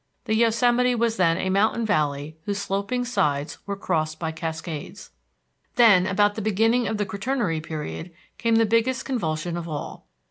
The Yosemite was then a mountain valley whose sloping sides were crossed by cascades. Then, about the beginning of the Quaternary Period, came the biggest convulsion of all.